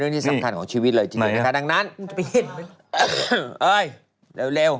เร็วเจอแล้ว